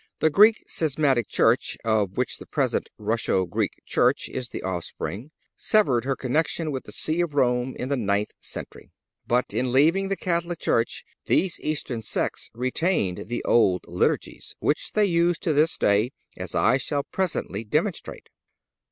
The Greek schismatic church, of which the present Russo Greek church is the offspring, severed her connection with the See of Rome in the ninth century. But in leaving the Catholic Church these Eastern sects retained the old Liturgies, which they use to this day, as I shall presently demonstrate.